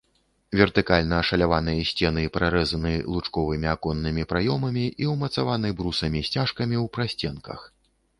Вертыкальна ашаляваныя сцены прарэзаны лучковымі аконнымі праёмамі і ўмацаваны брусамі-сцяжкамі ў прасценках.